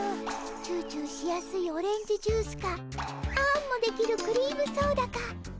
チューチューしやすいオレンジジュースかあんもできるクリームソーダか。